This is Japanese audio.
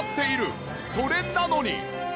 それなのに。